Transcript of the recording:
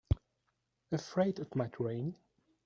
Afraid it might rain?